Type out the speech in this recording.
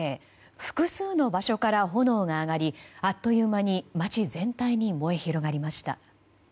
複数の場所から炎が上がりあっという間に街全体に燃え広がりました。